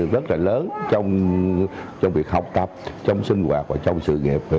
rất là lớn trong việc học tập trong sinh hoạt và trong sự nghiệp